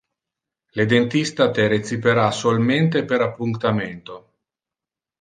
Le dentista te recipera solmente per appunctamento.